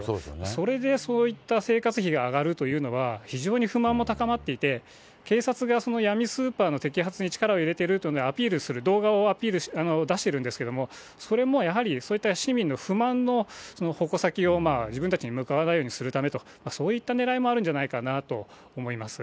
それでそういった生活費が上がるというのは、非常に不満も高まっていて、警察が闇スーパーの摘発に力を入れてるというので、アピールする動画を出しているんですけれども、それもやはり、そういった市民の不満の矛先を自分たちに向かわないようにするためと、そういったねらいもあるんじゃないかなと思います。